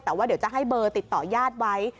แต่ว่าเดี๋ยวจะให้เบอร์ติดต่อญาติไว้